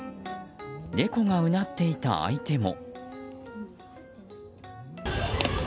猫がうなっていた相手も。